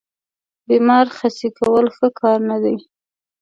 بیمار خسي کول ښه کار نه دی.